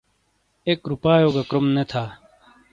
ایک روپائیو گہ کروم نے تھا۔